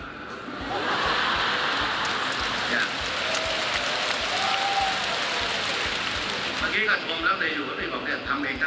เมื่อกี้ก็ชมไม่ได้อยู่กันตรงนี้ตามเองน่ะครับ